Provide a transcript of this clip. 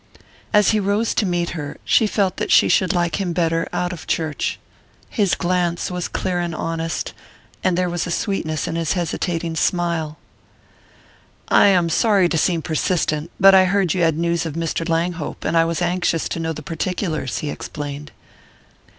As he rose to meet her, she felt that she should like him better out of church. His glance was clear and honest, and there was sweetness in his hesitating smile. "I am sorry to seem persistent but I heard you had news of Mr. Langhope, and I was anxious to know the particulars," he explained.